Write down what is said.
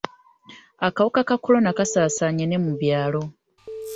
Akawuka ka kolona kasaasaana ne mu byalo.